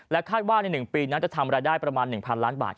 คาดว่าใน๑ปีนั้นจะทำรายได้ประมาณ๑๐๐ล้านบาท